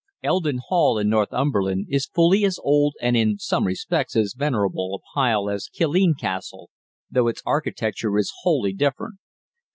Eldon Hall, in Northumberland, is fully as old and in some respects as venerable a "pile" as Killeen Castle, though its architecture is wholly different.